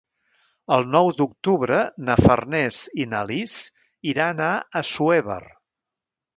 El nou d'octubre na Farners i na Lis iran a Assuévar.